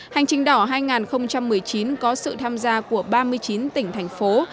hành trình đỏ hai nghìn một mươi chín có sự tham gia của ba mươi chín tỉnh thành phố